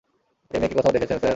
এই মেয়েকে কোথাও দেখেছেন, স্যার?